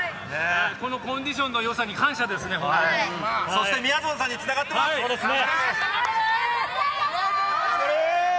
このコンディションのよさに感謝そしてみやぞんさんにつながそうですね。